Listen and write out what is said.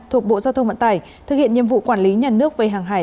thuộc bộ giao thông vận tải thực hiện nhiệm vụ quản lý nhà nước về hàng hải